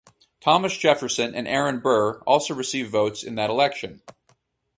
Thomas Jefferson and Aaron Burr also received votes in that election.